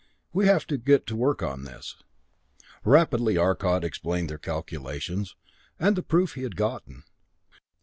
We have to get to work on this." Rapidly Arcot explained their calculations and the proof he had gotten.